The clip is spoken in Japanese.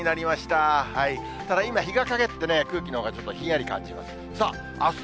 ただ、今、日が陰ってね、空気のほうがちょっとひんやり感じます。